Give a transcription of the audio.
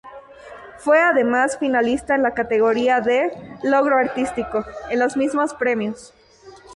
Fue además finalista en la categoría de "Logro artístico" en los mismos premios.